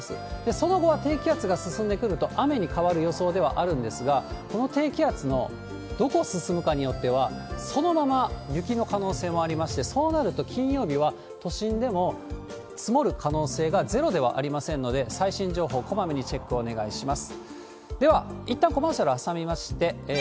その後は低気圧が進んでくると雨に変わる予想ではあるんですが、この低気圧のどこを進むかによっては、そのまま雪の可能性もありまして、そうなると金曜日は都心でも積もる可能性がゼロではありませんので、最新情報、こまめにチェックをお願いします。